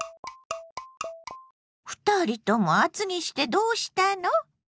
２人とも厚着してどうしたの？